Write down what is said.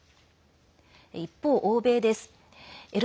一方、欧米です。